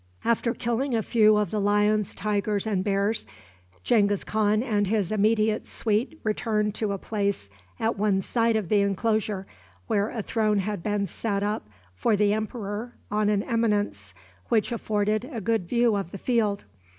After killing a few of the lions, tigers, and bears, Genghis Khan and his immediate suite retired to a place at one side of the inclosure, where a throne had been set up for the emperor on an eminence which afforded a good view of the field.